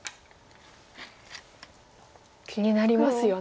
気になりますよね